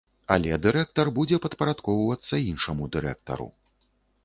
Але дырэктар будзе падпарадкоўвацца іншаму дырэктару.